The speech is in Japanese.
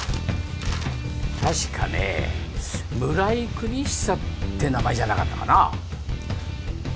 確かね村井邦久って名前じゃなかったかな